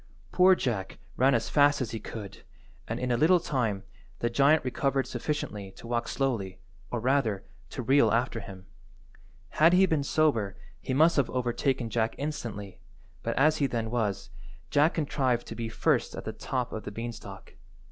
Poor Jack ran as fast as he could, and, in a little time, the giant recovered sufficiently to walk slowly, or rather, to reel after him. Had he been sober he must have overtaken Jack instantly, but as he then was, Jack contrived to be first at the top of the beanstalk.